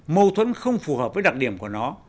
mâu thuẫn không phù hợp với đặc điểm của nó